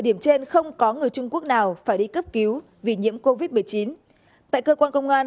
điểm trên không có người trung quốc nào phải đi cấp cứu vì nhiễm covid một mươi chín tại cơ quan công an